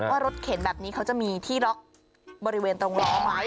ว่ารถเข็นแบบนี้เขาจะมีที่ล็อกบริเวณตรงล้อไหม